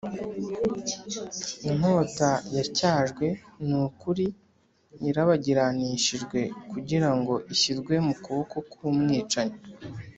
Inkota yatyajwe, ni ukuri yarabagiranishijwe kugira ngo ishyirwe mu kuboko k’umwicanyi